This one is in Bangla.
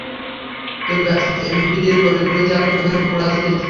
তোর ব্যাচমেট এমবিএ করে ফেলেছে, আর তুই এখানেই পড়ে আছিস?